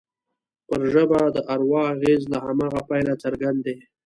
پر ژبه د اروا اغېز له هماغه پیله څرګند دی